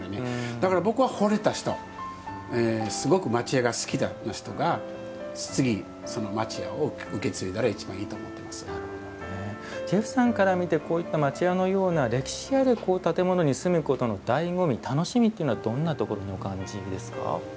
だから僕はほれた人すごく町家が好きな人が次、その町家を受け継いだらジェフさんから見てこういった町家のような歴史ある建物に住むことのだいご味、楽しみというのはどんなところにお感じですか。